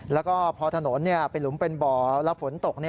แล้วก็พอถนนเป็นหลุมเป็นบ่อแล้วฝนตก